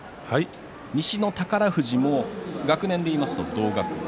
西の宝富士も学年でいうと同学年。